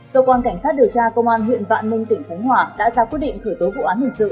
cơ quan cảnh sát điều tra công an huyện vạn ninh tỉnh khánh hòa đã ra quyết định khởi tố vụ án hình sự